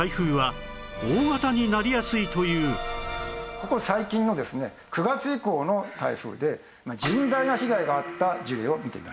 しかも最近のですね９月以降の台風で甚大な被害があった事例を見てみましょうと。